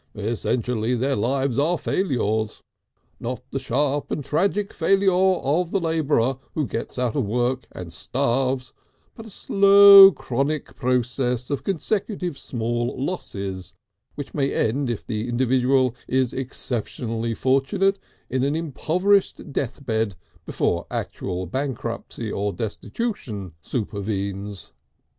Essentially their lives are failures, not the sharp and tragic failure of the labourer who gets out of work and starves, but a slow, chronic process of consecutive small losses which may end if the individual is exceptionally fortunate in an impoverished death bed before actual bankruptcy or destitution supervenes.